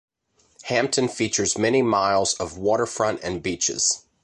Hampton features many miles of waterfront and beaches.